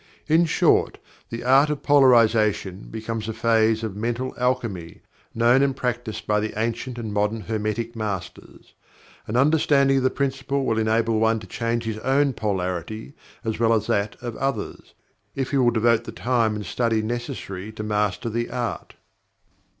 In short, the "Art of Polarization" becomes a phase of "Mental Alchemy" known and practiced by the ancient and modern Hermetic Masters. An understanding of the Principle will enable one to change his own Polarity, as well as that of others, if he will devote the time and study necessary to master the art.